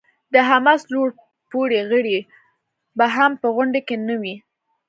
د حماس لوړ پوړي غړي به هم په غونډه کې نه وي.